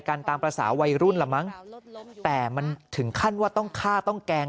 ตามภาษาวัยรุ่นละมั้งแต่มันถึงขั้นว่าต้องฆ่าต้องแกล้ง